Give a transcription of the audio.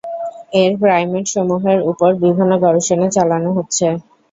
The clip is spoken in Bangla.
এর প্রাইমেট সমূহের ওপর বিভিন্ন গবেষণা চালানো হচ্ছে।